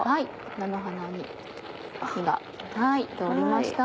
菜の花に火が通りました。